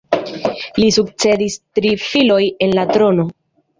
Li sukcedis tri filoj en la trono.